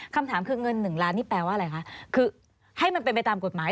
คำถามคือเงิน๑ล้านนี่แปลว่าอะไรคะคือให้มันเป็นไปตามกฎหมาย